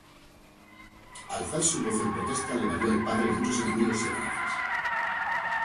Alzar su voz en protesta le valió al Padre muchos enemigos y amenazas.